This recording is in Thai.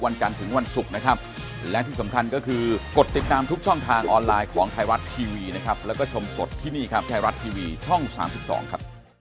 แล้วก็เอาเข้ากระเป๋าชาวหน้าชาวสวนต่อไป